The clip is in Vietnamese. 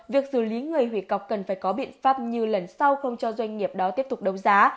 việc xử lý người hủy cọc cần phải có biện pháp như lần sau không cho doanh nghiệp đó tiếp tục đấu giá